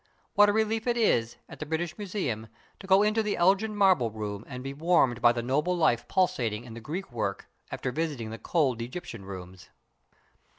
What a relief it is, at the British Museum, to go into the Elgin Marble room and be warmed by the noble life pulsating in the Greek work, after visiting the cold Egyptian rooms.